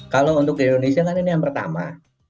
kalau untuk di indonesia kan ini yang pertama